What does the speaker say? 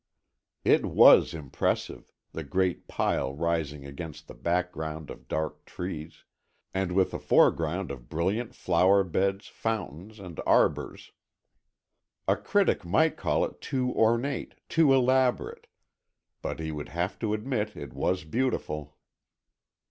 It was impressive, the great pile rising against the background of dark trees, and with a foreground of brilliant flower beds, fountains, and arbours. A critic might call it too ornate, too elaborate, but he would have to admit it was beautiful.